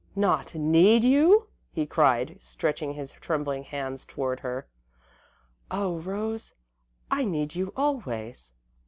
"Not need you," he cried, stretching his trembling hands toward her. "Oh, Rose, I need you always!"